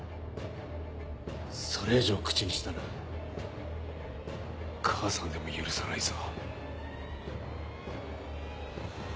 それ以上口にしたら母さんでも許さないぞ。